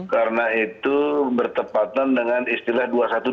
karena itu bertepatan dengan istilah dua ratus dua belas